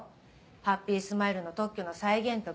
ハッピースマイルの特許の再現と分析